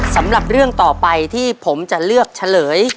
สำหรับเรื่องต่อไปที่ผมจะเลือกเฉลย